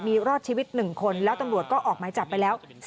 มีรอดชีวิต๑คนแล้วตำรวจก็ออกหมายจับไปแล้ว